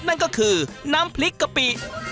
นั่นก็คือน้ำพริกกะปิ